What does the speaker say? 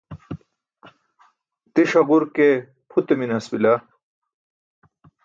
tiṣ haġur ke pute minas bila